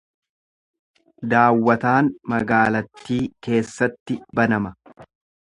Daawwataan magaalattii keessatti banama.